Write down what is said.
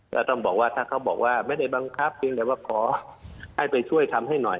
แล้วถ้าเขาบอกว่าไม่ได้บังคับแต่ว่าขอให้ไปช่วยทำให้หน่อย